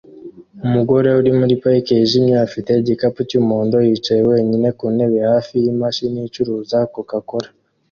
Umugore uri muri parike yijimye afite igikapu cyumuhondo yicaye wenyine ku ntebe hafi yimashini icuruza Coca-Cola